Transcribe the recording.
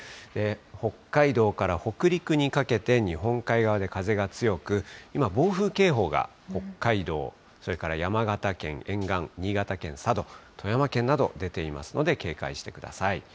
北海道から北陸にかけて、日本海側で風が強く、今、暴風警報が北海道、それから山形県沿岸、新潟県佐渡、富山県など出ていますので、警戒してください。